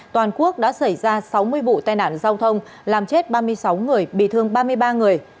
toàn quốc đã xảy ra sáu mươi vụ tai nạn giao thông làm chết ba mươi sáu người bị thương ba mươi ba người